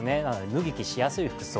脱ぎ着しやすい服装。